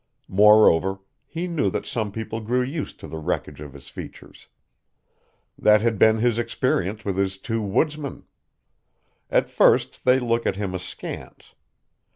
Moreover, he knew that some people grew used to the wreckage of his features. That had been his experience with his two woodsmen. At first they looked at him askance.